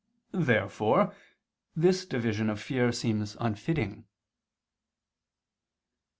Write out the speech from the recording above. Therefore this division of fear seems unfitting.